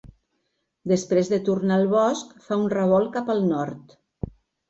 Després de tornar al bosc, fa un revolt cap al nord.